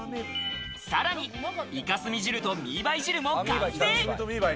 さらにイカスミ汁とミーバイ汁も完成。